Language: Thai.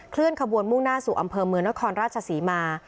เคลื่อนขบวนมุ่งหน้าสู่อำเภอเมืองนครราชสีมา